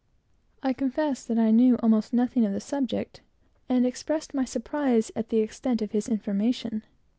I confessed that I knew almost nothing of the subject, and expressed my surprise at the extent of his information.